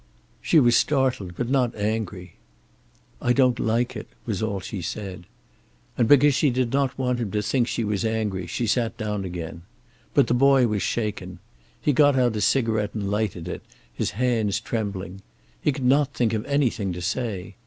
She was startled, but not angry. "I don't like it," was all she said. And because she did not want him to think she was angry, she sat down again. But the boy was shaken. He got out a cigarette and lighted it, his hands trembling. He could not think of anything to say.